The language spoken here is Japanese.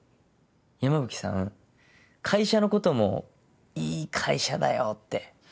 山吹さん会社のこともいい会社だよって。